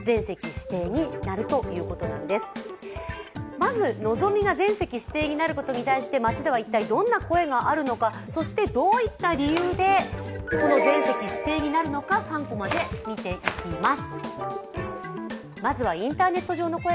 まずのぞみが全席指定になることに対して街ではどんな声があるのかそしてどういった理由で、この全席指定になるのか３コマで見ていきます。